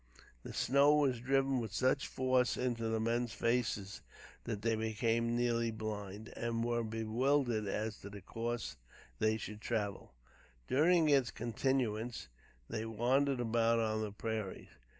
The snow was driven with such force into the men's faces that they became nearly blind, and were bewildered as to the course they should travel. During its continuance, they wandered about on the prairies.